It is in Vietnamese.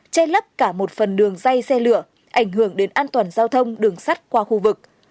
che lấp cả một phần đường dây xe lửa ảnh hưởng đến an toàn giao thông đường sắt qua khu vực